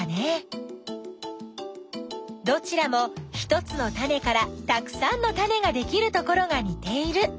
どちらも１つのタネからたくさんのタネができるところがにている。